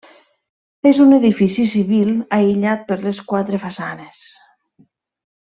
És un edifici civil aïllat per les quatre façanes.